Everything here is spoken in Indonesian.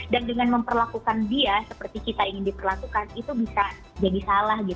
dan dengan memperlakukan dia seperti kita ingin diperlakukan itu bisa jadi salah